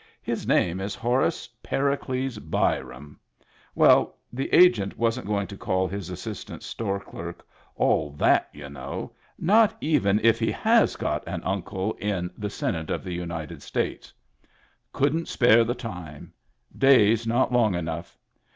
His name is Horace Pericles Byram. Well, the Agent wasn't going to call his assistant store clerk all that, y'u know, not even if he has got an uncle in Digitized by Google HAPPY TEETH 29 the Senate of the United States. Couldn't spare the time. Days not long enough.